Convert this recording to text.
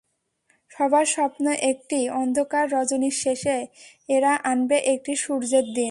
সবার স্বপ্ন একটিই, অন্ধকার রজনীর শেষে এরা আনবে একটি সূর্যের দিন।